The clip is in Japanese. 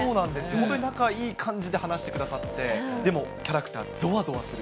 本当に仲いい感じで話してくださって、でもキャラクター、ぞわぞわする。